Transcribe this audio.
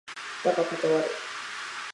だが断る